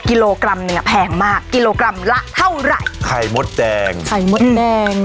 กิโลกรัมหนึ่งอ่ะแพงมากกิโลกรัมละเท่าไหร่ไข่มดแดงไข่มดแดง